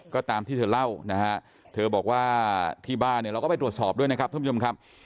ก็ตามที่เธอเล่านะฮะเธอบอกว่าที่บ้านเนี่ยเราก็ไปตรวจสอบด้วยนะครับท่านผู้ชมครับ